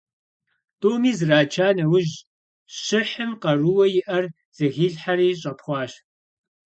ТӀуми зрача нэужь, щыхьым къарууэ иӀэр зэхилъхьэри щӀэпхъуащ.